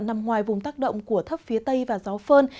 nằm ngoài vùng tác động của thấp phía tây và gió phơn